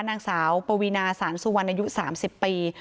นางสาวปวีนาสารสุวรรณอายุ๓๐ปี